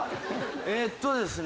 えっとですね